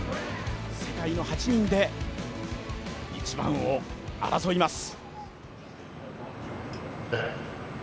世界の８人で、一番を争います。